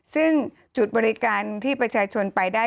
ซึ่งจุดบริการที่ประชาชนไปได้